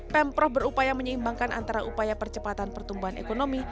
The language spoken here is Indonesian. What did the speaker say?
pemprov berupaya menyeimbangkan antara upaya percepatan pertumbuhan ekonomi